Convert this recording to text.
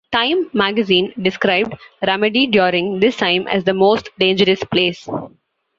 "Time" magazine described Ramadi during this time as "The Most Dangerous Place.